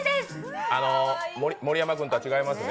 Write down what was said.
盛山君とは違いますね。